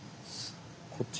こっち？